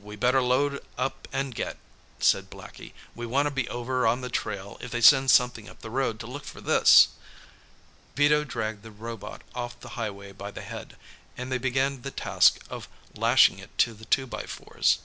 "We better load up an' get," said Blackie. "We wanna be over on the trail if they send somethin' up the road to look for this." Vito dragged the robot off the highway by the head, and they began the task of lashing it to the two by fours.